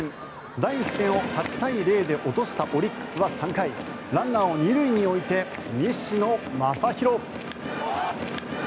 第１戦を８対０で落としたオリックスは３回ランナーを２塁に置いて西野真弘。